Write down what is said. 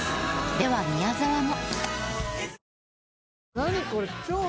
では宮沢も。